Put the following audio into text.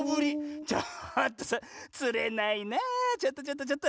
ちょっとそれつれないなちょっとちょっとちょっと。